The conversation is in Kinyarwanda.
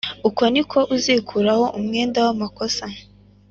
Uko ni ko uzikuraho umwenda w amaraso